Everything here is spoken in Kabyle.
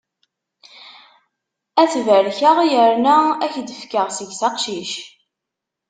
Ad t-barkeɣ yerna ad k-d-fkeɣ seg-s aqcic.